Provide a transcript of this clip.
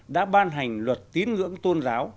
đã ban hành luật tín ngưỡng tôn giáo